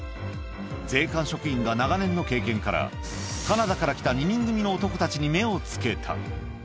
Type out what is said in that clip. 税関職員が長年の経験から、カナダから来た２人組の男たちに目をつけた。